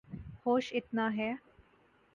ہوش اتنا ہے